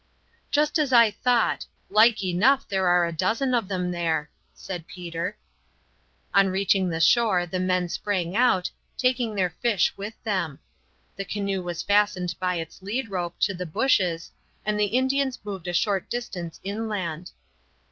"Just as I thought. Like enough there are a dozen of them there," said Peter. On reaching the shore the men sprang out, taking their fish with them. The canoe was fastened by its head rope to the bushes, and the Indians moved a short distance inland.